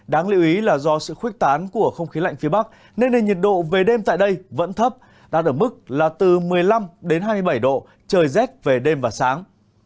đáng lưu ý là do sự khuếch tán của không khí lạnh phía bắc nên nền nhiệt độ về đêm tại đây vẫn thấp đạt ở mức là từ một mươi năm đến hai mươi bảy độ trời rét về đêm và sáng